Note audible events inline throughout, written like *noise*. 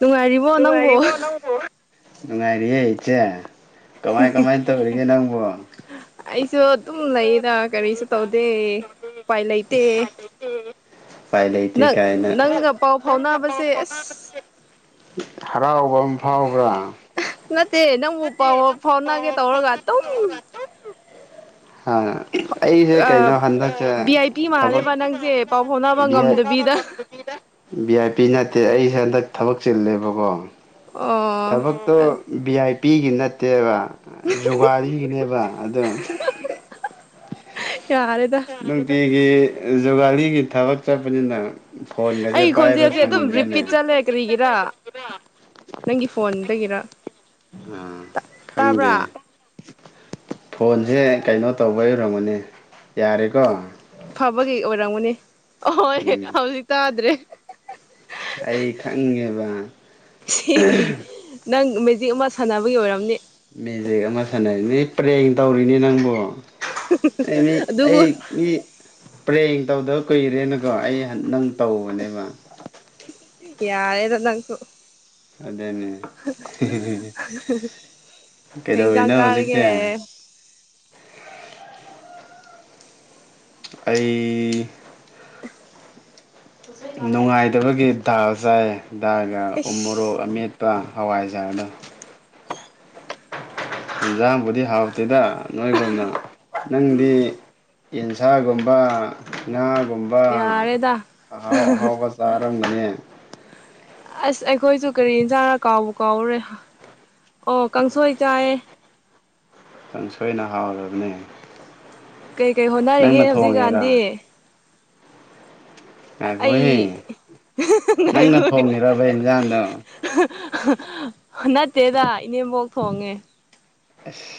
ꯅꯨꯡꯉꯥꯏꯔꯤꯕꯣ ꯇꯨꯡ ꯅꯪꯕꯨ ꯍꯥꯏꯔꯤꯕ ꯅꯪꯕꯣ ꯅꯨꯡꯉꯥꯏꯔꯤꯌꯦꯦ ꯏꯆꯦ ꯀꯃꯥꯏ ꯀꯃꯥꯏ ꯇꯧꯔꯤꯒꯦ ꯅꯪꯕꯨ ꯑꯩꯁꯨ ꯑꯗꯨꯝ ꯂꯩꯌꯦꯗ ꯀꯔꯤꯁꯨ ꯇꯧꯗꯦ ꯎꯄꯥꯏ ꯂꯩꯇꯦ ꯎꯄꯥꯏ ꯂꯩꯇꯦ ꯅꯪ ꯀꯥꯏꯅ ꯅꯪꯒ ꯄꯥꯎ ꯐꯥꯎꯅꯕꯁꯦ ꯑꯁ ꯀꯝꯐꯥꯎꯒ꯭ꯔ ꯦ ꯅꯪ ꯐ ꯐꯧꯅꯥꯒꯦ ꯇꯧꯔꯒꯠꯇꯣ ꯍ ꯑꯩꯁꯦ ꯀꯩꯅꯣ ꯍꯟꯗꯛꯁꯦ ꯚꯤ ꯑꯥꯏ ꯄꯤ ꯊꯕꯛ ꯃꯥꯜꯂꯦꯕ ꯅꯪꯁꯦ ꯄꯥꯎ ꯐꯥꯎꯅꯕ ꯕꯤ ꯉꯝꯗꯕꯤꯗ ꯚꯤ ꯑꯥꯏ ꯄꯤ ꯅꯠꯇꯦ ꯑꯩꯁꯦ ꯍꯟꯗꯛ ꯊꯕꯛ ꯆꯤꯜꯂꯦꯕꯀꯣ ꯑꯣ ꯊꯕꯛꯇꯣ ꯚꯤ ꯑꯥꯏ ꯄꯤꯒꯤ ꯅꯠꯇꯦꯕ ꯖꯨꯒꯥꯔꯤꯒꯤꯅꯦꯕ ꯑꯗꯣ ꯌꯥꯔꯦꯗ ꯑꯩꯈꯣꯏꯒꯤ ꯖꯨꯒꯥꯔꯤꯒꯤ ꯊꯕꯛ ꯆꯠꯄꯅꯤꯅ ꯐꯣꯟꯒꯁꯦ ꯑꯩ ꯄꯥꯏꯕ ꯈꯣꯟꯖꯦꯜꯁꯦ ꯑꯗꯨꯝ ꯁꯪꯗ꯭ꯔꯦꯅꯦ ꯔꯤꯄꯤꯠ ꯆꯠꯂꯦ ꯀꯔꯤꯒꯤꯔ ꯅꯪꯒꯤ ꯐꯣꯟꯗꯒꯤꯔ ꯑꯥ ꯈꯪꯗꯦ ꯇꯥꯕ꯭ꯔꯥ ꯐꯣꯟꯁꯦ ꯀꯩꯅꯣ ꯇꯧꯕ ꯌꯔꯝꯒꯅꯤ ꯌꯥꯔꯦꯀꯣ ꯐꯕꯒꯤ ꯑꯣꯏꯔꯝꯒꯅꯤ ꯑꯍꯣꯏ ꯎꯝ ꯍꯧꯖꯤꯛ ꯇꯥꯗ꯭ꯔꯦ ꯑꯩ ꯈꯪꯉꯦꯕ ꯁꯤ ꯅꯪ ꯃꯦꯖꯤꯛ ꯑꯃ ꯁꯥꯟꯅꯕꯒꯤ ꯑꯣꯏꯔꯝꯅꯤ ꯄꯔꯦꯡ ꯇꯧꯔꯤꯅꯦ ꯅꯪꯕꯨ ꯑꯩ ꯃꯤ ꯑꯗꯨꯕꯨ ꯑꯩ ꯃꯤ ꯄꯔꯦꯡ ꯇꯧꯗꯕ ꯀꯨꯏꯔꯦꯅꯀꯣ ꯑꯩ ꯅꯪ ꯇꯧꯕꯅꯦꯕ ꯌꯥꯔꯦꯗ ꯇꯪ ꯑꯗꯨꯅꯤ ꯀꯩꯖꯥꯡ ꯀꯩꯗꯧꯔꯤꯅꯣ ꯍꯧꯖꯤꯛꯇꯤ ꯀꯔꯒꯦ ꯑꯩ ꯅꯨꯡꯉꯥꯏꯇꯕꯒꯤ ꯗꯥ ꯆꯥꯏ ꯗꯥꯒ ꯎ ꯏꯁ ꯃꯣꯔꯣꯛ ꯑꯃꯦꯠꯄ ꯍꯋꯥꯏꯖꯥꯔꯗ ꯏꯟꯖꯥꯡꯕꯨꯗꯤ ꯍꯥꯎꯇꯦꯗ ꯅꯣꯏꯒꯨꯝꯅ ꯅꯪꯗꯤ ꯌꯦꯟꯁꯥꯒꯨꯝꯕ ꯉꯥ ꯒꯨꯝꯕ ꯌꯥꯔꯦꯗ ꯑꯍꯥꯎ ꯑꯍꯥꯎꯕ ꯆꯥꯔꯝꯅꯤꯅꯦ ꯑꯁ ꯑꯩꯈꯣꯏꯁꯨ ꯀꯔꯤ ꯌꯦꯟꯁꯥꯡꯅ ꯀꯥꯎꯕ ꯀꯥꯎꯔꯦ ꯑꯣ ꯀꯥꯡꯁꯣꯏ ꯆꯥꯏ ꯈꯤꯪ ꯁꯣꯏꯅ ꯍꯥꯎꯔꯕꯅꯦ ꯀꯩ ꯀꯩ ꯍꯣꯠꯅꯔꯤꯒꯦ ꯅꯪꯅ ꯍꯧꯖꯤꯛꯀꯥꯟꯗꯤ ꯊꯣꯡꯉꯤꯔꯥ ꯉꯥꯏꯈꯣꯍꯦ ꯑꯩ ꯅꯪꯅ ꯒꯅ ꯊꯣꯡꯉꯤꯔꯕ ꯏꯟꯖꯥꯡꯗꯣ ꯅꯠꯇꯦꯗ ꯏꯅꯦꯝꯕꯣꯛ ꯊꯣꯡꯉꯦ ꯑꯁ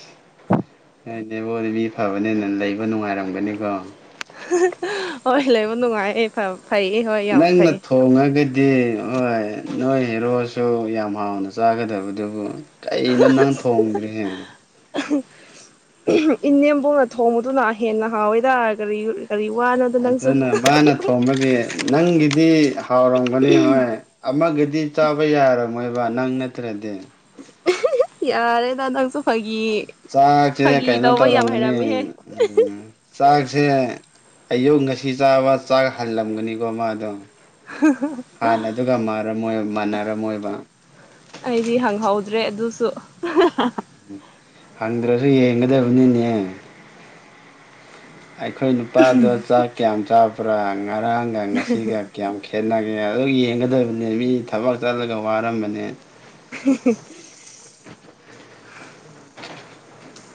ꯍꯣꯏꯅꯦꯕꯣꯗꯤ ꯃꯤ ꯐꯕꯅꯤꯅ ꯂꯩꯕ ꯅꯨꯡꯉꯥꯏꯔꯝꯒꯅꯤꯀꯣ ꯍꯣꯏ ꯂꯩꯕ ꯅꯨꯡꯉꯥꯏꯦ ꯐꯕ ꯅꯪꯅ ꯊꯣꯡꯉꯒꯗꯤ ꯍꯣꯏ ꯅꯣꯏ ꯍꯦꯔꯣꯁꯨ ꯌꯥꯝ ꯍꯥꯎꯅ ꯆꯥꯒꯗꯕꯗꯨꯕꯨ ꯀꯩꯅꯣ ꯅꯪ ꯊꯣꯡꯗ꯭ꯔꯤ ꯍ ꯏꯅꯦꯝꯕꯧꯅ ꯊꯣꯡꯕꯗꯨꯅ ꯍꯦꯟꯅ ꯍꯥꯎꯋꯦꯗꯔ ꯀꯔꯤ ꯋꯥꯅꯣꯗ ꯅꯪꯁꯨ ꯑꯗꯨꯅ ꯃꯥꯅ ꯊꯣꯝꯕꯒꯤ ꯅꯪꯒꯤꯗꯤ ꯍꯥꯎꯔꯝꯒꯅꯤ ꯍꯣꯏ ꯑꯃꯒꯤꯗꯤ ꯗꯤ ꯆꯥꯕ ꯌꯥꯔꯃꯣꯏꯕ ꯅꯪ ꯅꯠꯇ꯭ꯔꯗꯤ ꯌꯥꯔꯦ ꯇꯗꯁꯨ ꯆꯥꯛꯁꯦ ꯀꯩꯅꯣ ꯌꯥꯝ ꯇꯧꯔꯝꯒꯅꯤ ꯍꯩꯔꯝꯃꯤꯍꯦ ꯆꯥꯛꯁꯦ ꯑꯌꯨꯛ ꯉꯁꯤ ꯆꯥꯕ ꯆꯥꯛ ꯍꯜꯂꯝꯒꯅꯤꯀꯣ ꯃꯥꯗꯣ ꯍꯥꯟꯅ ꯑꯗꯨꯒ ꯃꯥꯟꯅꯔꯝꯃꯣꯏꯕ ꯑꯩꯗꯤ ꯍꯪꯍꯧꯗ꯭ꯔꯦ ꯑꯗꯨꯁꯨ ꯎ ꯍꯪꯗ꯭ꯔꯁꯨ ꯌꯦꯡꯒꯗꯕꯅꯤꯅꯦ ꯑꯩꯈꯣꯏ ꯅꯨꯄꯥꯗꯣ ꯆꯥꯛ ꯀꯌꯥꯝ ꯆꯥꯕ꯭ꯔꯥ ꯉꯔꯥꯡꯒ ꯉꯁꯤꯒ ꯀꯌꯥꯝ ꯈꯦꯠꯅꯒꯦ ꯑꯦ ꯑꯗꯨ ꯌꯦꯡꯒꯗꯕꯅꯦ ꯃꯤ ꯊꯕꯛ ꯆꯠꯂꯒ ꯋꯥꯔꯝꯕꯅꯦ ꯎ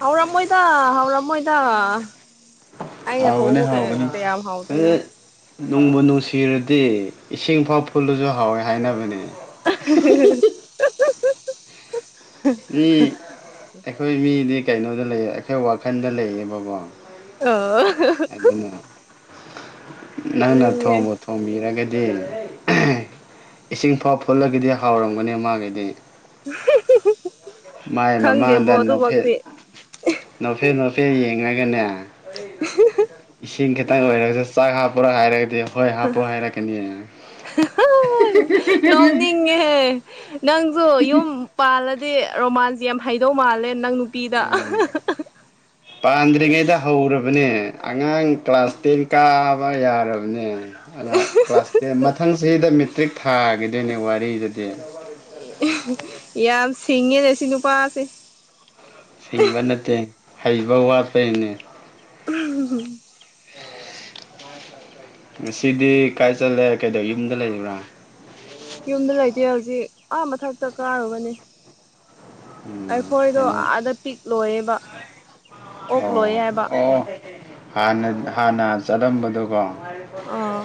ꯍꯧꯔꯃꯣꯣꯏꯗ ꯍꯧꯔꯃꯣꯣꯏꯗ ꯑꯩꯅ ꯍꯥꯎꯕꯅꯦ ꯊꯣꯡꯕꯨ ꯀꯌꯥꯝ ꯍꯥꯎꯗꯣꯏꯅꯣ ꯅꯅꯨꯡꯕꯨ ꯅꯨꯡꯁꯤꯔꯗꯤ ꯏꯁꯤꯡ ꯐꯥꯎ ꯐꯨꯜꯂꯁꯨ ꯍꯥꯎꯋꯦ ꯍꯥꯏꯅꯕꯅꯦ *unintelligible* ꯃꯤ ꯑꯩꯈꯣꯏ ꯃꯤꯗꯤ ꯀꯩꯅꯣꯗ ꯂꯩ ꯑꯩꯈꯣꯏ ꯋꯥꯈꯜꯗ ꯂꯩꯌꯦꯕꯀꯣ ꯑ ꯅ ꯅ ꯅꯣꯛꯅꯤꯡꯉꯦ ꯊꯣꯝꯝꯕꯣ ꯊꯣꯝꯝꯕ ꯏꯔ ꯀꯩ ꯗꯤ ꯏꯁꯤꯡ ꯐꯥꯎ ꯐꯨꯠꯂꯒꯗꯤ ꯍꯥꯎꯔꯝꯒꯅꯤ ꯃꯥꯒꯤꯗꯤ *unintelligible* ꯃꯥꯏ ꯈꯪꯗꯦꯕꯣ ꯃꯃꯥꯡꯗ ꯅꯣꯐꯦꯠ ꯑꯗꯨꯃꯛꯇꯤ ꯅꯣꯐꯦꯠ ꯅꯣꯐꯦꯠ ꯌꯦꯡꯉꯒꯅꯦ ꯏꯁꯤꯡ ꯈꯤꯇꯪ ꯑꯣꯏꯔꯒꯁꯨ ꯆꯥꯛ ꯍꯥꯞꯄꯔꯥ ꯍꯥꯏꯔꯒꯗꯤ ꯍꯣꯏ ꯍꯥꯞꯄꯨ ꯍꯥꯏꯔꯥ ꯀꯅꯤ ꯍꯣꯏ ꯅꯣꯛꯅꯤꯡꯉꯦꯍꯦ ꯅꯪꯁꯨ ꯌꯨꯝ ꯄꯥꯜꯂ ꯗꯤ ꯔꯣꯃꯥꯟꯁ ꯌꯥꯝ ꯍꯩꯗꯧ ꯃꯥꯜꯂꯦ ꯅꯪ ꯅꯨꯄꯤꯗ ꯎꯝ ꯄꯥꯟꯗ꯭ꯔꯤꯉꯩꯗ ꯍꯧꯔꯕꯅꯦ ꯑꯉꯥꯡ ꯀ꯭ꯂꯥꯁ ꯇꯦꯟ ꯀꯥꯕ ꯌꯥꯔꯕꯅꯦ ꯀ꯭ꯂꯥꯁ ꯇꯦꯟ ꯃꯊꯪꯁꯤꯗ ꯃꯦꯇ꯭ꯔꯤꯛ ꯊꯥꯈꯤꯗꯣꯏꯅꯦ ꯋꯥꯔꯤꯗꯗꯤ ꯏ ꯌꯥꯝ ꯁꯤꯉꯦ ꯅꯁꯤꯅꯨꯄꯥ ꯑꯁ ꯁꯤꯡꯕ ꯅꯠꯇꯦ ꯍꯩꯕ ꯋꯥꯠꯄꯩꯅꯦ ꯎ ꯉꯁꯤꯗꯤ ꯀꯥꯏ ꯆꯠꯂꯦ ꯀꯩꯗꯧ ꯌꯨꯝꯗ ꯂꯩꯔꯤꯕ꯭ꯔꯥ ꯌꯨꯝꯗ ꯂꯩꯇꯦ ꯍꯧꯖꯤꯛ ꯑꯥ ꯃꯊꯛꯇ ꯀꯥꯔꯨꯕꯅꯤ ꯎꯝ ꯑꯩꯈꯣꯏꯗꯣ ꯀꯩꯅꯣ ꯑꯥꯗ ꯄꯤꯛꯂꯣꯏꯌꯦꯕ ꯑꯣ ꯑꯣꯅ ꯍꯥꯟꯅ ꯆꯠꯂꯝꯝꯕꯗꯨꯀꯣ *unintelligible* ꯑꯥ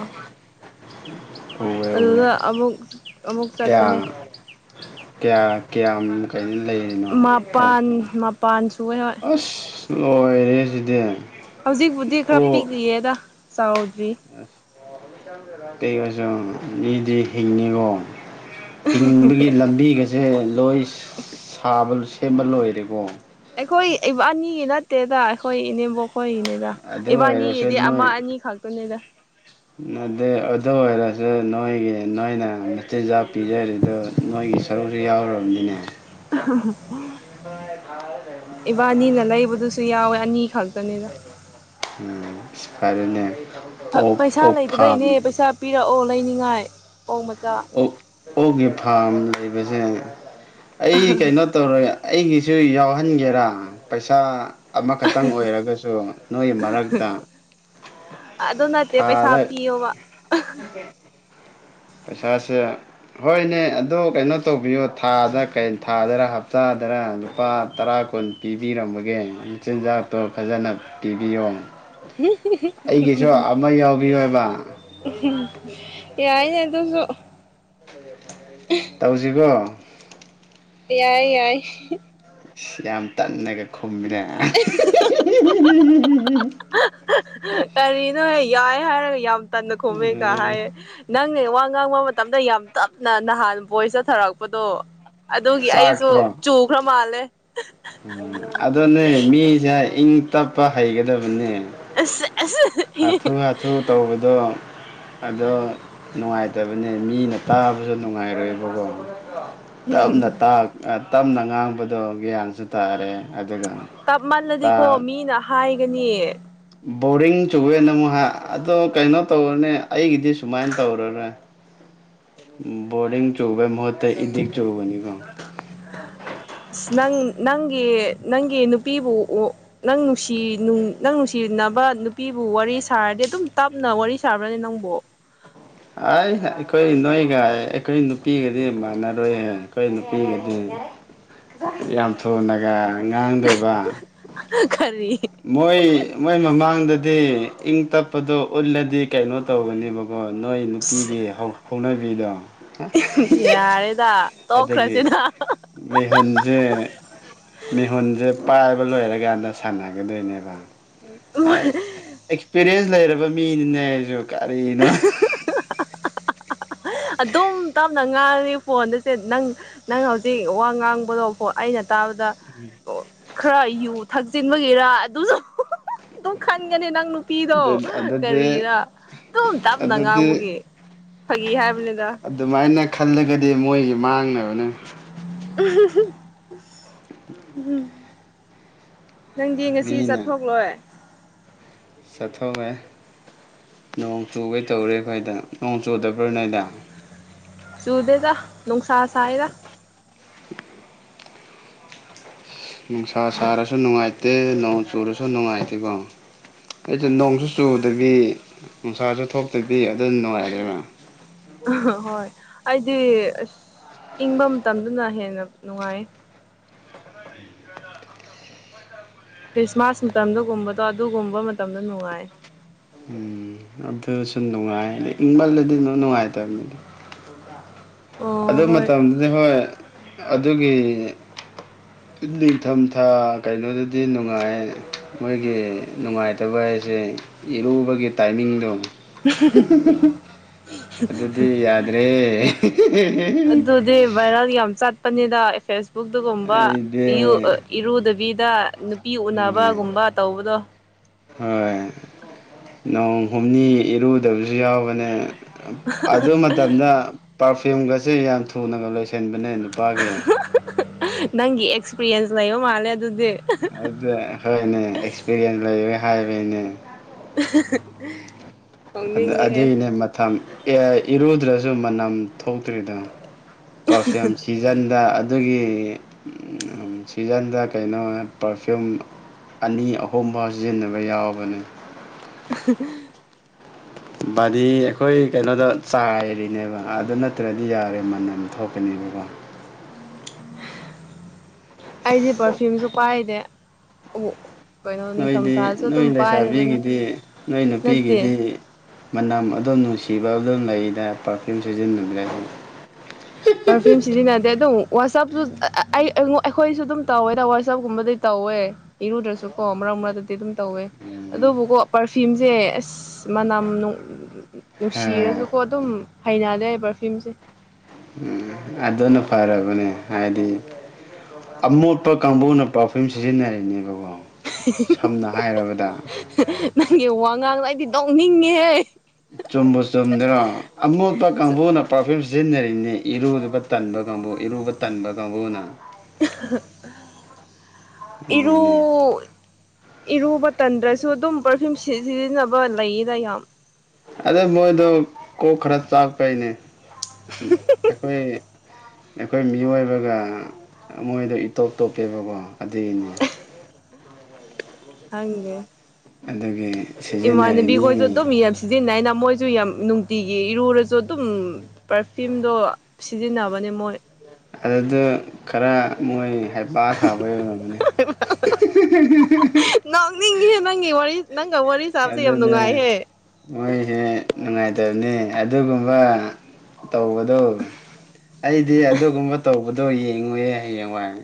ꯑꯗꯨꯗ ꯑꯃꯨꯛ ꯑꯃꯨꯛ ꯀꯌꯥ ꯆꯠꯄꯅꯦ ꯀꯌꯥ ꯀꯌꯥ ꯀꯩ ꯂꯩꯔꯤꯅꯣ ꯀꯣꯛꯇ ꯃꯄꯥꯟ ꯃꯄꯥꯟ ꯁꯨꯋꯦ ꯍꯣꯏ ꯑꯁ ꯂꯣꯏꯔꯦꯁꯤꯗꯤ ꯍꯧꯖꯤꯛꯄꯕꯨꯗꯤ ꯈꯔ ꯄꯤꯛꯂꯤꯌꯦꯗ ꯆꯥꯎꯗ꯭ꯔꯤ ꯀꯌꯖ ꯅꯗꯤ ꯍꯤꯡꯅꯤ ꯔꯣ ꯍꯤꯡꯕꯒꯤ ꯂꯝꯕꯤꯒꯁꯦ ꯂꯣꯏ ꯁꯥꯕ ꯁꯦꯝꯕ ꯂꯣꯏꯔꯦꯀꯣ ꯑꯩꯈꯣꯏ ꯏꯕ ꯑꯅꯤꯒꯤ ꯅꯠꯇꯦꯗ ꯑꯩꯈꯣꯏ ꯏꯅꯦꯝꯕꯣꯛ ꯍꯣꯏꯅꯦꯗ ꯑꯗꯨ ꯑꯣꯏꯔꯁꯨ ꯏꯕꯥꯅꯤꯒꯤꯗꯤ ꯑꯃ ꯅꯣꯏ ꯑꯅꯤ ꯈꯛꯇꯅꯦꯗ ꯑꯩ ꯑꯗꯨ ꯑꯣꯏꯔꯁꯨ ꯅꯣꯏꯒꯤ ꯅꯣꯏꯅ ꯃꯆꯤꯟꯖꯥꯛ ꯄꯤꯖꯔꯤꯗꯨ ꯅꯣꯏꯒꯤ ꯁꯔꯨꯛꯁꯨ ꯌꯥꯎ ꯊꯧꯔꯝꯗꯅ ꯏꯕꯥꯅꯤꯅ ꯂꯩꯕꯗꯨꯁꯨ ꯁꯨ ꯌꯥꯎꯋꯦ ꯑꯅꯤ ꯈꯛꯇꯅꯤꯗ ꯁꯤ ꯐꯥꯔꯦꯅꯦ ꯄꯩꯁꯥ ꯂꯩꯇꯕꯩꯅꯦ ꯄꯩꯁꯥ ꯄꯤꯔꯛꯑꯣ ꯂꯩꯅꯤꯡꯉꯥꯏ ꯑꯣꯛ ꯃꯆꯥ ꯑꯣ ꯑꯣꯛꯒꯤ ꯐꯥꯝ ꯂꯩꯕꯁꯦ ꯑꯩ ꯀꯩꯅꯣ ꯇꯧꯔꯦ ꯑꯩꯒꯤꯁꯨ ꯌꯥꯎꯍꯟꯒꯦꯔꯥ ꯄꯩꯁꯥ ꯑꯃꯈꯛꯇꯪ ꯑꯣꯏꯔꯒꯁꯨ ꯅꯣꯏꯒꯤ ꯃꯔꯛꯇ ꯑꯗꯣ ꯅꯠꯇꯦ ꯄꯩꯁꯥ ꯍꯥ ꯊꯥꯗ ꯄꯤꯌꯣꯕ ꯄꯩꯁꯥꯥꯁꯦ ꯍꯣꯏꯅꯦ ꯑꯗꯣ ꯀꯩꯅꯣ ꯇꯧꯕꯤꯌꯣ ꯊꯥꯗꯩ ꯊꯥꯗꯔ ꯍꯞꯇꯥꯗꯔ ꯂꯨꯄꯥ ꯇꯔꯥ ꯀꯨꯣꯟ ꯄꯤꯕꯤꯔꯃꯒꯦ ꯃꯆꯤꯟꯖꯥꯛꯇꯣ ꯐꯖꯅ ꯄꯤꯕꯤꯌꯣ ꯑꯩꯒꯤꯁꯨ ꯑꯃ ꯌꯥꯎꯕꯤꯌꯣꯕ *unintelligible* ꯌꯥꯏꯅꯦ ꯑꯗꯨꯁꯨ ꯇꯧꯁꯤꯕꯣ ꯌꯥꯏ ꯌꯥꯏ ꯌꯥꯝ ꯇꯟꯅꯒ ꯈꯨꯝꯃꯤꯔꯦ ꯀꯔꯤꯅꯣꯍ ꯌꯥꯏ ꯍꯥꯏꯔꯒ ꯌꯥꯝ ꯇꯟꯅ ꯈꯣꯃꯦ ꯀ ꯎꯝ ꯍꯥꯏꯌꯦ ꯅꯪ ꯋꯥ ꯉꯥꯡꯕ ꯃꯇꯝꯗ ꯌꯥꯝ ꯇꯞꯅ ꯅꯍꯥꯟ ꯕꯣꯏ ꯆꯠꯊꯔꯛꯄꯗꯣ ꯑꯗꯨꯒꯤ ꯑꯩꯁꯨ ꯆꯥꯛꯄ꯭ꯔꯣ ꯆꯨꯈ꯭ꯔ ꯃꯥꯜꯂꯦ ꯎꯝ ꯑꯗꯅꯦ ꯃꯤꯁꯦ ꯏꯪ ꯇꯞꯄ ꯍꯩꯒꯗꯕꯅꯦ *inaudible* ꯍꯥꯊꯨ ꯍꯥꯊꯨ ꯇꯧꯕꯗꯣ ꯑꯗꯣ ꯅꯨꯡꯉꯥꯏꯇꯕꯅꯦ ꯃꯤꯅ ꯇꯥꯕꯁꯨ ꯅꯨꯡꯉꯥꯏꯔꯣꯏꯕꯀꯣ ꯇꯞꯅ ꯇꯞꯅ ꯉꯥꯡꯕꯗꯣ ꯒ꯭ꯌꯥꯟꯁꯨ ꯇꯥꯔꯦ ꯑꯗꯨꯒ ꯇꯞꯃꯜꯂꯗꯤꯀꯣ ꯇꯥ ꯃꯤꯅ ꯍꯥꯏꯒꯅꯤ ꯕꯔꯤꯡ ꯆꯨꯋꯦꯅ ꯑꯃꯨꯛ ꯍꯥꯏ ꯑꯗꯣ ꯀꯩꯅꯣ ꯇꯧꯔꯅꯦ ꯑꯩꯒꯤꯗꯤ ꯁꯨꯃꯥꯏꯅ ꯇꯧꯔꯔꯣꯏ ꯕꯣꯔꯗꯤꯡ ꯆꯕꯒꯤ ꯃꯍꯨꯠꯇ ꯏꯗꯤꯛ ꯆꯨꯕꯅꯤꯀꯣ ꯑꯁ ꯅꯪ ꯅꯪꯒꯤ ꯅꯪꯒꯤ ꯅꯨꯄꯤꯕꯨ ꯅꯪ ꯅꯨꯡꯁꯤ ꯅꯪ ꯅꯨꯡꯁꯤꯅꯕ ꯅꯨꯄꯤꯕꯨ ꯋꯥꯔꯤ ꯁꯥꯔꯗꯤ ꯑꯗꯨꯝ ꯇꯞꯅ ꯋꯥꯔꯤ ꯁꯥꯕ꯭ꯔꯅꯤ ꯅꯪꯕꯨ ꯑꯩ ꯑꯩꯈꯣꯏ ꯅꯣꯏꯒ ꯑꯩꯈꯣꯏ ꯅꯨꯄꯤꯒꯗꯤ ꯃꯥꯟꯅꯔꯣꯏꯍꯦ ꯑꯩꯈꯣꯏ ꯅꯨꯄꯤꯒꯗꯤ ꯌꯥꯝ ꯊꯨꯅꯒ ꯉꯥꯡꯗꯣꯏꯕ *inaudible* ꯃꯣꯏ ꯃꯣꯏ ꯃꯃꯥꯡꯗꯗꯤ ꯏꯪ ꯇꯞꯄꯗꯣ ꯎꯠꯂꯗꯤ ꯀꯩꯅꯣ ꯇꯧꯕꯅꯦꯕ ꯑꯣ ꯅꯣꯏ ꯅꯨꯄꯤꯒꯤ ꯍꯧꯅꯕꯤꯗꯣ ꯌꯥꯔꯦꯗꯥ ꯑꯗꯒꯤ ꯃꯤꯍꯣꯟꯁꯦ ꯃꯤꯍꯣꯟꯁꯦ꯫ ꯄꯥꯏꯕ ꯂꯣꯏꯔꯀꯥꯟꯗ ꯁꯥꯟꯅꯒꯗꯣꯏꯅꯦꯕ ꯑꯦꯛꯁꯄꯤꯔꯤꯌꯦꯟꯁ ꯂꯩꯔꯕ ꯃꯤꯅꯤꯅꯦ ꯑꯩꯁꯨ ꯀꯔꯤꯅꯣ ꯑꯗꯨꯝ ꯇꯞꯅ ꯉꯥꯡꯉꯤ ꯐꯣꯟꯗꯨꯁꯦ ꯅꯪ ꯅꯪ ꯍꯧꯖꯤꯛ ꯋꯥ ꯉꯥꯡꯕꯗꯣ ꯑꯩꯅ ꯇꯥꯕꯗ ꯈꯔ ꯌꯨꯠ ꯊꯛꯆꯤꯟꯕꯒꯤꯔꯥ ꯑꯗꯨꯁꯨ ꯑꯗꯨꯝ ꯈꯟꯒꯅꯤ ꯅꯪ ꯑꯗꯨ ꯅꯨꯡꯇꯤꯗꯣ ꯑꯗꯨꯗꯤ ꯀꯔꯤꯅ ꯑꯗꯨꯝ ꯇꯞꯅ ꯑꯗꯨꯗꯤ ꯉꯥꯡꯕꯒꯤꯦ ꯐꯥꯒꯤ ꯍꯥꯏꯕ ꯑꯗꯨꯃꯥꯏꯅ ꯈꯜꯂꯒꯗꯤ ꯃꯣꯏꯒꯤ ꯃꯥꯡꯅꯕꯅꯦ ꯎꯝ ꯅꯪꯗꯤ ꯉꯁꯤ ꯆꯠꯊꯣꯛꯂꯣꯏ ꯁꯥꯊꯣ ꯑꯃ ꯅꯣꯡ ꯆꯨꯒꯩ ꯇꯧꯔꯦ ꯑꯩꯈꯣꯏꯗ ꯅꯣꯡ ꯆꯨꯗꯕ꯭ꯔꯥ ꯅꯗ ꯁꯨꯗꯦꯗ ꯅꯅꯨꯡꯁꯥꯔꯁꯥꯏꯗ *unintelligible* *inaudible* ꯅꯨꯡꯁꯥ ꯁꯥꯔꯁꯨ ꯅꯨꯡꯉꯥꯏꯇꯦ ꯅꯣꯡ ꯆꯨꯔꯁꯨ ꯅꯨꯡꯉꯥꯏꯇꯦꯀꯣ ꯑꯩꯁꯨ ꯅꯣꯡꯁꯨ ꯆꯨꯗꯕꯤ ꯅꯨꯡꯁꯥꯁꯨ ꯊꯣꯛꯇꯕꯤ ꯑꯗꯨ ꯅꯨꯡꯉꯥꯏꯔꯦꯕꯥ ꯍꯣꯏ ꯑꯩꯗꯤ ꯑꯁ ꯏꯪꯕ ꯃꯇꯝꯗꯅ ꯍꯦꯟꯅ ꯅꯨꯡꯉꯥꯏ ꯈ꯭ꯔꯤꯁꯃꯥꯁ ꯃꯇꯝꯗꯒꯨꯝꯕꯗꯣ ꯑꯗꯨꯒꯨꯝꯕ ꯃꯇꯝꯗ ꯅꯨꯡꯉꯥꯏ ꯎꯝ ꯑꯗꯨ ꯁꯨꯝ ꯅꯨꯡꯉꯥꯏ ꯏꯪꯕꯜꯂꯗꯤ ꯑꯗꯨꯝ ꯅꯨꯡꯉꯥꯏꯇꯕꯅꯤꯗꯤ ꯑꯗꯨ ꯑꯣ ꯍꯣꯏ ꯃꯇꯝꯗꯨꯗꯤ ꯍꯣꯏ ꯑꯗꯨꯒꯤ ꯅꯤꯡꯊꯝꯊꯥ ꯀꯩꯅꯣꯗꯗꯤ ꯅꯨꯡꯉꯥꯏ ꯃꯣꯏꯒꯤ ꯅꯨꯡꯉꯥꯏꯇꯕ ꯍꯥꯏꯁꯦ ꯏꯔꯨꯕꯒꯤ ꯇꯥꯏꯃꯤꯡꯗꯣ ꯑꯗꯨꯗꯤ ꯌꯥꯗ꯭ꯔꯦ ꯫ ꯑꯗꯨꯗꯤ ꯚꯥꯏꯔꯜ ꯌꯥꯝ ꯆꯠ ꯄꯅꯤꯗ ꯐꯦꯁꯕꯨꯛꯇꯒꯨꯝꯕ ꯑꯩꯗꯤ ꯏꯔꯨꯗꯕꯤꯗ ꯅꯨꯄꯤ ꯎꯝ ꯎꯅꯕꯒꯨꯝꯕ ꯇꯧꯕꯗꯣ ꯍꯣꯏ ꯅꯣꯡ ꯍꯨꯝꯅꯤ ꯏꯔꯨꯗꯕꯁꯨ ꯌꯥꯎꯕꯅꯦ ꯑꯗꯨ ꯃꯇꯝꯗ ꯐꯤꯝꯒꯁꯤꯦ ꯌꯥꯝ ꯊꯨꯅꯒ ꯂꯣꯏꯁꯤꯟꯕꯅꯦ ꯅꯨꯄꯥꯒꯤ ꯅꯪꯒꯤ ꯑꯦꯛꯁꯄꯤꯔꯤꯌꯦꯟꯁ ꯂꯩꯣ ꯃꯥꯦ ꯑꯗꯨꯗ ꯍꯣꯏꯅꯦ ꯑꯦꯛꯁꯄꯤꯔꯤꯌꯦꯟꯁ ꯂꯩꯔꯦ ꯍꯥꯏꯕꯩꯅꯦ *unintelligible* ꯑꯗꯨꯒꯤꯅꯦ ꯃꯊꯝ ꯏꯔꯨꯗ꯭ꯔꯁꯨ ꯃꯅꯝ ꯊꯣꯛꯇ꯭ꯔꯤꯗꯣ ꯄꯔꯐꯤꯌꯨꯝ ꯁꯤꯖꯟꯗ ꯑꯗꯨꯒꯤ ꯁꯤꯖꯟꯗ ꯀꯩꯅꯣ ꯄꯔꯐ꯭ꯌꯨꯝ ꯑꯅꯤ ꯑꯍꯨꯝ ꯐꯥꯎ ꯁꯤꯖꯤꯟꯅꯕ ꯌꯥꯎꯕꯅꯤ *unintelligible* ꯕꯥꯗꯤ ꯑꯩꯈꯣꯏ ꯀꯩꯅꯣꯗ ꯆꯥꯏꯔꯤꯅꯦꯕ ꯑꯗꯨ ꯅꯠꯇ꯭ꯔꯗꯤ ꯌꯥꯔꯦ ꯃꯟꯅꯝ ꯊꯣꯛꯀꯅꯤꯅ *unintelligible* ꯑꯩꯁꯦ ꯄꯔꯐ꯭ꯌꯨꯝꯁꯨ ꯄꯥꯏꯅꯦꯦ ꯅꯣꯏꯗꯤ ꯅꯣꯏ ꯂꯩꯁꯥꯕꯤꯒꯤꯗꯤ ꯅꯣꯏ ꯅꯠꯇꯦ ꯅꯨꯄꯤꯒꯤꯗꯤ ꯃꯅꯝ ꯑꯗꯨꯝ ꯅꯨꯡꯁꯤꯕ ꯑꯗꯨꯝ ꯂꯩꯗ ꯄꯥꯔꯐ꯭ꯤꯌꯨꯝ ꯁꯤꯖꯤꯟꯅꯕꯤꯗ ꯑꯗꯨ ꯄꯔꯐ꯭ꯌꯨꯝ ꯁꯤꯖꯤꯟꯅꯗꯦ ꯑꯗꯨꯝ ꯋꯥꯆꯞꯇ ꯑꯩ ꯑꯩꯈꯣꯏꯁꯨ ꯑꯗꯨꯝ ꯇꯧꯋꯦꯗ ꯋꯥꯆꯞꯀꯨꯝꯕꯗꯤ ꯇꯧꯋꯦ ꯏꯔꯨꯗ꯭ꯔꯁꯨ ꯀꯣꯝꯕ꯭ꯔꯥ ꯗꯗꯤ ꯑꯗꯨꯝ ꯇꯧꯋꯦ ꯑꯗꯨꯕꯨꯀꯣ ꯄꯔꯐ꯭ꯌꯨꯝꯁꯦ ꯑꯁ ꯃꯅꯝ ꯍꯥ ꯅꯨꯡꯁꯤꯔꯁꯨꯀꯣ ꯑꯗꯨꯝ ꯍꯩꯅꯔꯦ ꯄꯔꯐ꯭ꯌꯨꯝꯁꯦ ꯎꯝ ꯑꯗꯨꯅ ꯐꯔꯕꯅꯦ ꯍꯥꯏꯗꯤ ꯑꯃꯣꯠꯄ ꯀꯥꯡꯕꯨꯅ ꯄꯥꯔꯐ꯭ꯌꯨꯝ ꯁꯤꯖꯤꯟꯅꯔꯤꯅꯦꯕꯣ ꯅꯪꯒꯤ ꯋꯥ ꯉꯥꯡꯗꯣ ꯑꯩꯗꯤ ꯅꯣꯛꯅꯤꯡꯉꯦꯍꯦ ꯆꯨꯝꯕꯨ ꯆꯨꯝꯗꯔꯣ ꯑꯃꯣꯠꯄ ꯀꯥꯡꯕꯨꯅ ꯄꯔꯐꯤꯌꯨꯝ ꯁꯤꯖꯤꯟꯅꯔꯤꯅꯦ ꯏꯔꯨꯗꯨꯕ ꯇꯟꯕ ꯀꯥꯡꯕꯨ ꯏꯔꯨꯕ ꯇꯟꯕ ꯀꯥꯡꯕꯨꯅ ꯏꯔꯨ ꯑꯗꯨꯅꯦ ꯏꯔꯨꯕ ꯇꯟꯗ꯭ꯔꯁꯨ ꯑꯗꯨꯝ ꯄꯔꯐ꯭ꯌꯨꯝ ꯁꯤꯖꯤꯟꯅꯕ ꯂꯩꯌꯦꯗ ꯌꯥꯝ ꯑꯗꯩ ꯃꯣꯏꯗꯣ ꯀꯣꯛ ꯈꯔ ꯆꯥꯛꯄꯩꯅꯦ ꯑꯩꯈꯣꯏ ꯑꯩꯈꯣꯏ ꯃꯤꯑꯣꯏꯕꯒ ꯃꯣꯏꯗꯣ ꯏꯇꯣꯞ ꯇꯣꯞꯄꯦꯕꯀꯣ ꯑꯗꯨꯒꯤ ꯅꯤ ꯈꯪꯗꯦ ꯑꯗꯨꯒꯤ ꯁꯤꯖꯤꯟꯅꯔꯤꯅꯤ ꯏꯃꯥꯟꯕꯤꯈꯣꯏꯗꯣ ꯑꯗꯨꯝ ꯃꯤ ꯌꯥꯝ ꯁꯤꯖꯤꯅꯥ ꯃꯣꯏꯁꯨ ꯌꯥꯝ ꯅꯨꯡꯇꯤꯒꯤ ꯏꯔꯨꯔꯁꯨ ꯑꯗꯨꯝ ꯄꯔꯐ꯭ꯤꯌꯨꯝꯗꯣ ꯁꯤꯖꯤꯟꯅꯕꯅꯦ ꯃꯣꯏ ꯑꯗꯨꯗ ꯈꯔ ꯃꯣꯏ ꯍꯩꯄꯥ ꯁꯥꯕꯩ ꯑꯣꯏꯔꯝꯅꯦ ꯅꯣꯛꯅꯤꯡꯉꯤꯍꯦ ꯅꯪꯒꯤ ꯋꯥꯔꯤ ꯅꯪꯒ ꯋꯥꯔꯤ ꯁꯥꯕꯁꯦ ꯌꯥꯝ ꯑꯗꯨꯅꯦ ꯅꯨꯡꯉꯥꯏꯍꯦ ꯃꯣꯏ ꯍꯦ ꯅꯨꯡꯉꯥꯏ ꯇꯕꯅꯤ ꯑꯗꯨꯒꯨꯝꯕ ꯇꯧꯕꯗꯨꯣ ꯑꯩꯗꯤ ꯑꯗꯨꯒꯨꯝꯕ ꯇꯧꯕ ꯑꯣꯗꯣ ꯌꯦꯡꯉꯨꯌꯦ ꯍꯌꯦꯡꯋꯥꯏ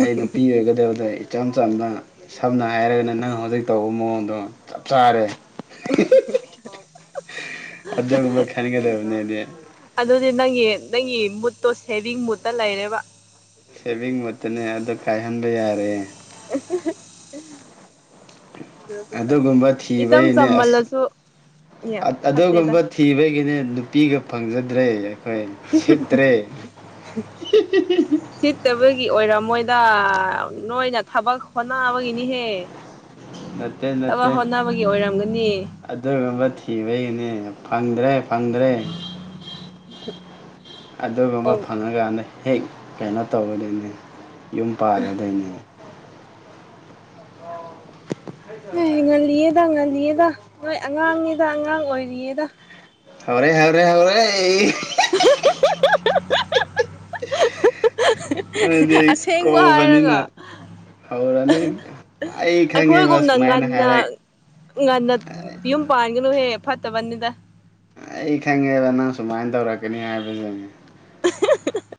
ꯑꯩ ꯅꯨꯄꯤ ꯑꯣꯏꯒꯗꯕꯗꯣ ꯏꯆꯝ ꯆꯝꯅ ꯁꯝꯅ ꯍꯥꯏꯔꯒꯅ ꯅꯪ ꯍꯧꯖꯤꯛ ꯇꯧꯕ ꯃꯑꯣꯡꯗꯣ ꯆꯞ ꯆꯥꯔꯦ *unintelligible* ꯑꯗꯨꯒꯨꯝꯕ ꯈꯟꯒ ꯗꯕꯅꯦ ꯑꯗꯨ ꯅꯪꯒꯤ ꯅꯪꯒꯤ ꯃꯨꯠꯇꯣ ꯁꯦꯚꯤꯡ ꯃꯨꯠꯇ ꯂꯩꯔꯦꯕ ꯁꯦꯚꯤꯡ ꯃꯣꯠꯇꯅꯦ ꯑꯗ ꯀꯥꯏꯍꯟꯕ ꯌꯥꯔꯦ *unintelligible* ꯑꯗꯨ ꯑꯣꯏꯔꯁꯨ ꯀꯥꯏꯗꯦ ꯑꯗꯨꯒꯨꯝꯕ ꯏꯆꯝ ꯊꯤꯕꯩꯅꯦ ꯑꯁ ꯆꯝꯃꯜꯂꯁꯨ ꯑꯗꯨꯒꯨꯝꯕ ꯐꯠꯇꯦꯗ ꯊꯤꯕꯒꯤꯅꯦ ꯅꯨꯄꯤꯒ ꯐꯪꯖꯗ꯭ꯔꯦ ꯑꯩꯈꯣꯏ ꯁꯤꯠꯇ꯭ꯔꯦ ꯒꯤ ꯑꯣꯏꯔꯝꯃꯣꯏꯗ ꯅꯣꯏꯅ ꯊꯕꯛ ꯍꯣꯠꯅꯕꯒꯤꯅꯤꯍꯦ ꯅꯠꯇꯦ ꯊꯕꯛ ꯅꯠꯇꯦ ꯍꯣꯠꯅꯕꯒꯤ ꯑꯣꯏꯔꯝꯒꯅꯤ ꯑꯗꯨꯒꯨꯝꯕ ꯊꯤꯕꯩꯅꯦ ꯐꯪꯗ꯭ꯔꯦ ꯐꯪꯗ꯭ꯔꯦ ꯑꯗꯨꯒꯨꯝꯕ ꯑꯣ ꯐꯪꯉꯀꯥꯟꯗ ꯍꯦꯛ ꯀꯩꯅꯣ ꯇꯧꯒꯗꯣꯏꯅꯤ ꯌꯨꯝ ꯄꯥꯜꯂꯗꯣꯏꯅꯤ ꯑꯦ ꯉꯜꯂꯤꯌꯦꯗ ꯉꯜꯂꯤꯌꯦꯗ ꯅꯣꯏ ꯑꯉꯥꯡꯅꯤꯗ ꯑꯉꯥꯡ ꯑꯣꯏꯔꯤꯌꯦꯗ ꯍꯧꯥꯔꯦ ꯍꯧꯥꯔꯦ ꯍꯧꯥꯔꯦ ꯅꯣꯏꯗꯤ ꯑꯁꯦꯡꯕ ꯀꯣꯕꯅꯤꯅ ꯍꯥꯏꯔꯒ ꯍꯧꯔꯅꯤ ꯑꯩ ꯈꯪꯉꯦꯕ ꯑꯩꯈꯣꯏꯒꯨꯝꯅ ꯁꯨꯃꯥꯏꯅ ꯉꯟꯅ ꯍꯥꯏꯔꯛ ꯉꯟꯅ ꯌꯨꯝ ꯄꯥꯟꯒꯅꯨꯍꯦ ꯐꯠꯇꯕꯅꯤꯗ ꯑꯩ ꯈꯪꯉꯦꯕ ꯅꯪ ꯁꯨꯃꯥꯏꯅ ꯇꯧꯔꯛꯀꯅꯤ ꯍꯥꯏꯕꯕꯁꯤꯅꯤ